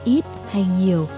ít hay nhiều